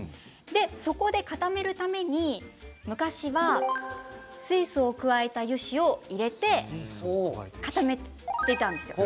そこで固めるために昔は水素を加えた油脂を入れて固めていたんです。